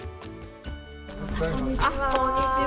こんにちは。